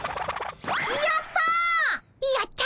やった！